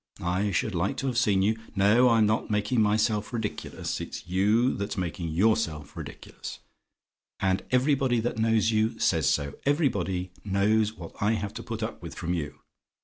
I should like to have seen you. No: I'm not making myself ridiculous. It's you that's making yourself ridiculous; and everybody that knows you says so. Everybody knows what I have to put up with from you.